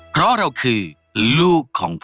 เพราะเราคือลูกของพ่อ